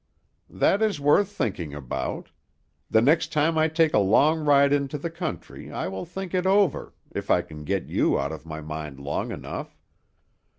"That is worth thinking about. The next time I take a long ride into the country I will think it over, if I can get you out of my mind long enough.